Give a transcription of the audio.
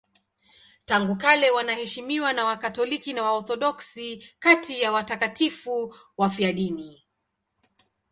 Tangu kale wanaheshimiwa na Wakatoliki na Waorthodoksi kati ya watakatifu wafiadini.